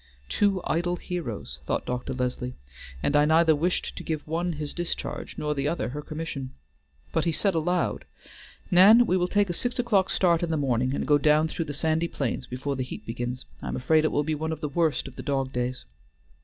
"Two idle heroes," thought Dr. Leslie, "and I neither wished to give one his discharge nor the other her commission;" but he said aloud, "Nan, we will take a six o'clock start in the morning, and go down through the sandy plains before the heat begins. I am afraid it will be one of the worst of the dog days."